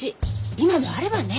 今もあればね！